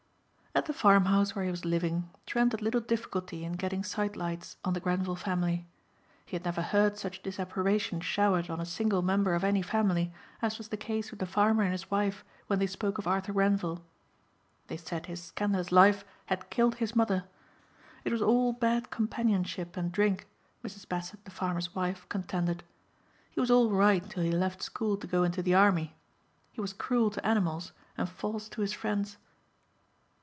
At the farm house where he was living Trent had little difficulty in getting side lights on the Grenvil family. He had never heard such disapprobation showered on a single member of any family as was the case with the farmer and his wife when they spoke of Arthur Grenvil. They said his scandalous life had killed his mother. It was all bad companionship and drink, Mrs. Bassett the farmer's wife contended. He was all right till he left school to go into the army. He was cruel to animals and false to his friends.